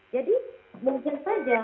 jadi mungkin saja